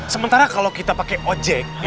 sementara kalau kita pakai ojek